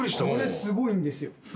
これすごいんですよ。